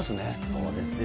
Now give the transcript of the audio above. そうですよね。